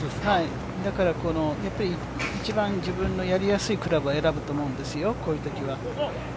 だからやっぱり、一番、自分のやりやすいクラブを選ぶと思うんですよ、こういうときは。